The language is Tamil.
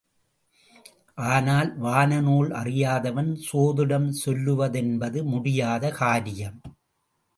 ஆனால் வானநூல் அறியாதவன் சோதிடம் சொல்லுவதென்பது முடியாத காரியம்.